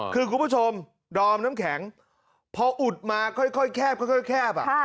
คือคุณผู้ชมดอมน้ำแข็งพออุดมาค่อยแคบค่อยแคบ